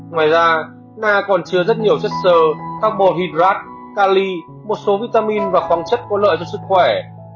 ngoài ra na còn chứa rất nhiều chất sơ các bồn hidrat cali một số vitamin và khoáng chất có lợi cho sức khỏe